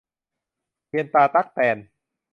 เทียนตาตั๊กแตน